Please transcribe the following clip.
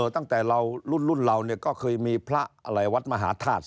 ตั้งแต่รุ่นเราก็เคยมีพระวัฒน์มหาธาตุ